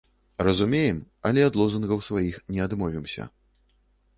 Разумеем, але ад лозунгаў сваіх не адмовімся.